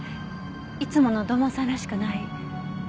いつもの土門さんらしくない。